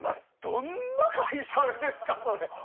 どんな会社ですか？